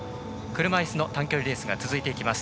車いすの短距離レースが続いていきます。